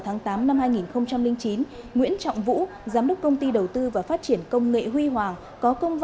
tháng tám năm hai nghìn chín nguyễn trọng vũ giám đốc công ty đầu tư và phát triển công nghệ huy hoàng có công